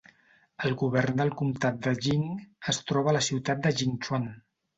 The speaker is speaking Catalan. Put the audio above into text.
El govern del comtat de Jing es troba a la ciutat de Jingchuan.